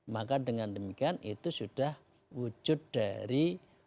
maka dengan demikian itu sudah wujud dari